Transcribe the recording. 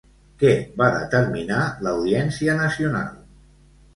Què va determinar l'Audiència Nacional?